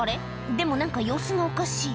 でも何か様子がおかしい